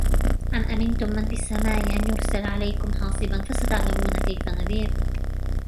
أم أمنتم من في السماء أن يرسل عليكم حاصبا فستعلمون كيف نذير